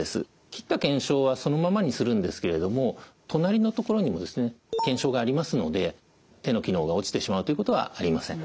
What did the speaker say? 切った腱鞘はそのままにするんですけれども隣のところにも腱鞘がありますので手の機能が落ちてしまうということはありません。